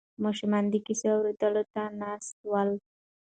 ماشومان د کیسې اورېدو ته ناست ول.